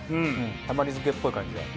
たまり漬けっぽい感じで。